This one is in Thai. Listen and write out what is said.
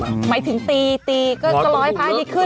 หมายถึงตีตีก็ก็รอให้พระอาทิตย์ขึ้น